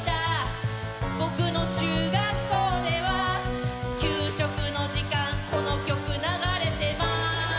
「僕の中学校では」「給食の時間この曲流れてます」